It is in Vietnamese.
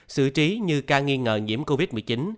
xử trí như ca nghi ngờ nhiễm covid một mươi chín